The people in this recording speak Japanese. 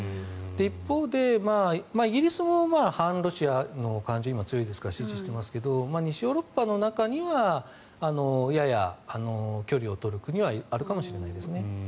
一方でイギリスは反ロシアの感情が今強いですから集中していますが西ヨーロッパの中にはやや距離を取る国はあるかもしれないですね。